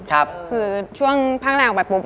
ครับคือช่วงภาคแรกออกไปปุ๊บ